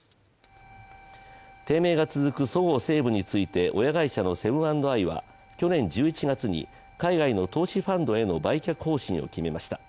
低迷が続くそごう・西武について、親会社のセブン＆アイは去年１１月に海外の投資ファンドへの売却方針を決めました。